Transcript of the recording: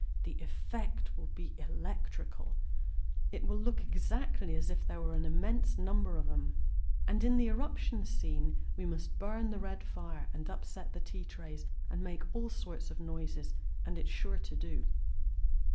The eifect will be electrical ; it will look exactly as if there were an immense number of 'em. And in the eruption scene we must burn the red fire, and upset the tea trays, and make all sorts of noises and it's sure to do."